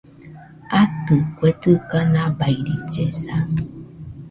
Atɨ , kue dɨga nabairillesa